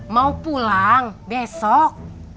mau pulang besok